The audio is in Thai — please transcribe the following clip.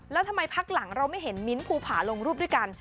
แล้วทำไมพักหลังเราไม่เห็นมิ้นท์ภูผาลงรูปด้วยกัน